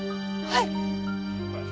はい！